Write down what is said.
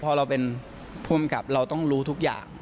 พอเราเป็นภูมิกับเราต้องรู้ทุกอย่าง